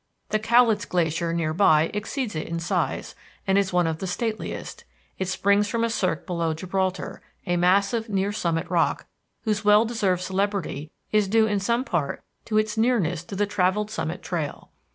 The Cowlitz Glacier near by exceeds it in size, and is one of the stateliest; it springs from a cirque below Gibraltar, a massive near summit rock, whose well deserved celebrity is due in some part to its nearness to the travelled summit trail.